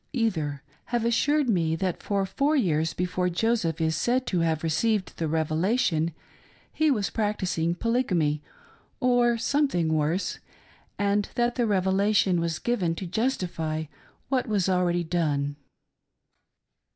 either, have assured me that for four years before Joseph is said to have received the Revelation, he was practicing Poly gamy, or something worse, and that the Revelation was given to justify what was already done.